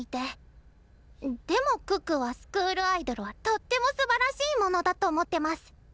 でも可可はスクールアイドルはとってもすばらしいものだと思ってマス！